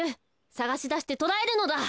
さがしだしてとらえるのだ。